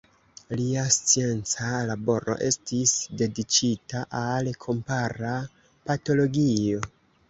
Lia scienca laboro estis dediĉita al kompara patologio.